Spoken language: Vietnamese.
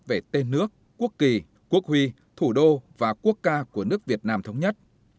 về tên nước quốc kỳ quốc huy thủ đô và quốc ca của nước việt nam thống nhất